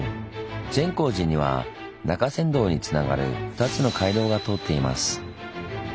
善光寺には中山道につながる２つの街道が通っています。